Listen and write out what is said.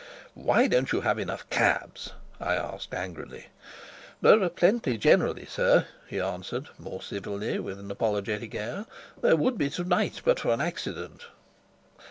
"Why don't you have enough cabs?" I asked angrily. "There are plenty generally, sir," he answered more civilly, with an apologetic air. "There would be to night but for an accident."